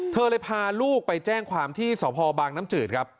เธอเลยพาลูกไปแจ้งความที่สฮบน้ำจืด